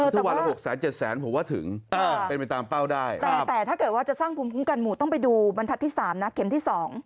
คือวันละ๖๗แสนผมว่าถึงเป็นไปตามเป้าได้แต่ถ้าเกิดว่าจะสร้างภูมิคุ้มกันหมู่ต้องไปดูบรรทัศน์ที่๓นะเข็มที่๒